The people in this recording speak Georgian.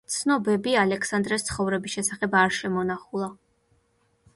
ცნობები ალექსანდრეს ცხოვრების შესახებ არ შემონახულა.